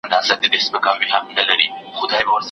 د ژوند تڼاکي سولوم په سرابي مزلونو